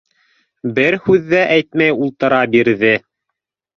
Бер һүҙ ҙә әйтмәй ултыра бирҙе.